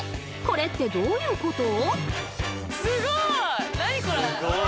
これってどういうこと？